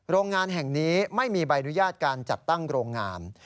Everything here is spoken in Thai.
โรงงานแห่งนี้ไม่มีใบอนุญาตการจัดตั้งโรงงาน